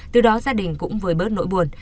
từ đó gia đình cũng vừa bớt nỗi buồn